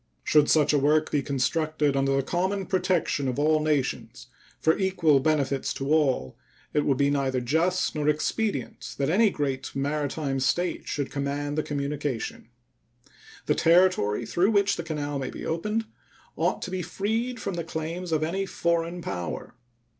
Should such a work be constructed under the common protection of all nations, for equal benefits to all, it would be neither just nor expedient that any great maritime state should command the communication. The territory through which the canal may be opened ought to be freed from the claims of any foreign power.